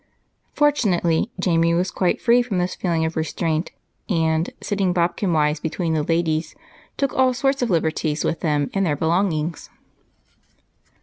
Fortunately, Jamie was quite free from this feeling of restraint and, sitting bodkinwise between the ladies, took all sorts of liberties with them and their belongings.